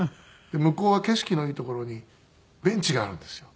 向こうは景色のいい所にベンチがあるんですよ。